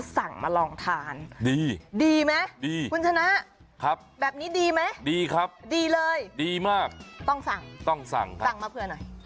ต้องสั่งค่ะซั่งมาเพื่อนหน่อย